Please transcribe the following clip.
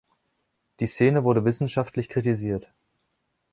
Die Szene wurde wissenschaftlich kritisiert.